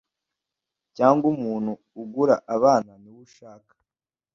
cyangwa umuntu ugura abana niwe ushaka